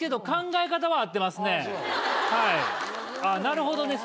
なるほどね。